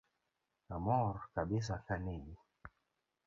Amor kabisa kaneni